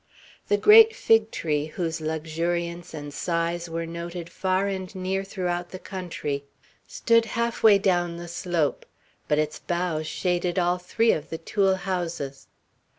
The great fig tree, whose luxuriance and size were noted far and near throughout the country, stood half way down the slope; but its boughs shaded all three of the tule houses.